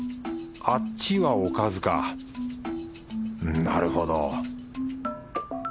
あっちはおかずかなるほど。